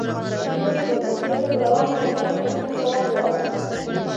له لوري پر پښتو ژبه روانو ملنډو ته لنډ ځواب ووایم.